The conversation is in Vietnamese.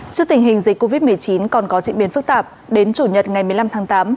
trước tình hình dịch covid một mươi chín còn có diễn biến phức tạp đến chủ nhật ngày một mươi năm tháng tám